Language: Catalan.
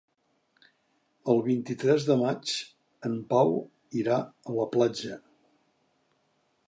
El vint-i-tres de maig en Pau irà a la platja.